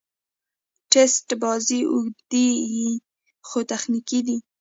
ټېسټ بازي اوږدې يي، خو تخنیکي دي.